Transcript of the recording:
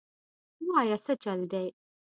وايه سه چل دې.